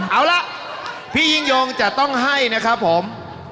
เอาล่ะพี่ยิ่งยงจะต้องให้นะครับผม